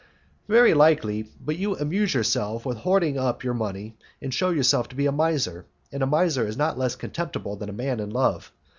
"Very likely; but you amuse yourself with hoarding up your money, and shew yourself to be a miser, and a miser is not less contemptible than a man in love.